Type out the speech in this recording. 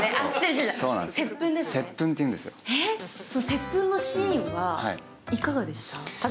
接吻のシーンはいかがでした？